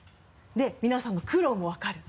で皆さんの苦労も分かる。